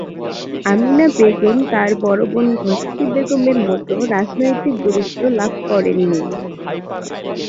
আমিনা বেগম তাঁর বড় বোন ঘসেটি বেগমের মতো তেমন রাজনৈতিক গুরুত্ব লাভ করেন নি।